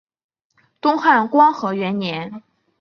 东汉光和元年。